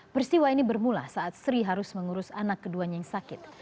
peristiwa ini bermula saat sri harus mengurus anak keduanya yang sakit